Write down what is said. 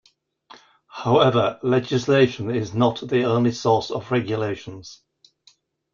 However, legislation is not the only source of regulations.